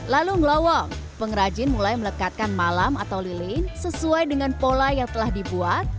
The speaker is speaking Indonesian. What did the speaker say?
lalu ngelawang pengrajin mulai melekatkan malam atau lilin sesuai dengan pola yang telah dibuat